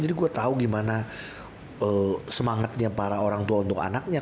jadi gue tau gimana semangatnya para orang tua untuk anaknya